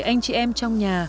bảy anh chị em trong nhà